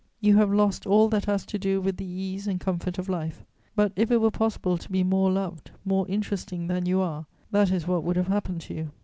You have lost all that has to do with the ease and comfort of life; but, if it were possible to be more loved, more interesting than you are, that is what would have happened to you.